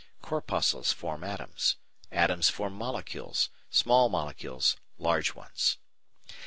Corpuscles form atoms, atoms form molecules, small molecules large ones.